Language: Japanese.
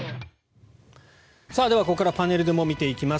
では、ここからパネルでも見ていきます。